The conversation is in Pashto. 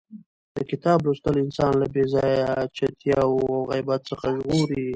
د کتاب لوستل انسان له بې ځایه چتیاو او غیبت څخه ژغوري.